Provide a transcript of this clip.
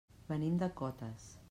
Venim de Cotes.